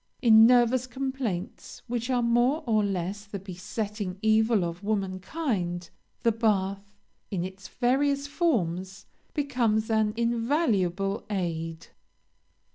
In nervous complaints, which are more or less the besetting evil of womankind, the bath, in its various forms, becomes an invaluable aid.